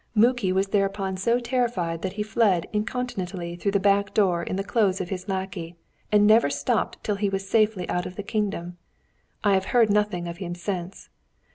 Muki was thereupon so terrified that he fled incontinently through the back door in the clothes of his lackey, and never stopped till he was safely out of the kingdom. I have heard nothing of him since.